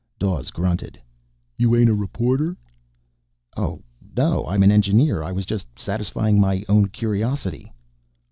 Dawes grunted. "You ain't a reporter?" "Oh, no. I'm an engineer. I was just satisfying my own curiosity."